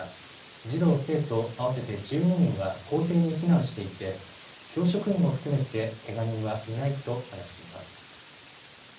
児童、生徒合わせて１２人は校庭に避難していて教職員も含めてけが人はいないと話しています。